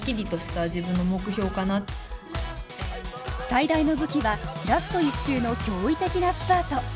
最大の武器は、ラスト１周の驚異的なスパート。